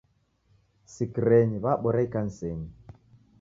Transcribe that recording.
Sikirenyi w'abora ikanisenyi.